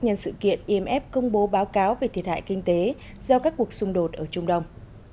nhân sự kiện imf công bố báo cáo về thiệt hại kinh tế do các cuộc xung đột ở trung đông